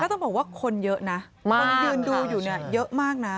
ต้องบอกว่าคนเยอะนะคนยืนดูอยู่เนี่ยเยอะมากนะ